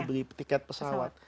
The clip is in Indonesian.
beli tiket pesawat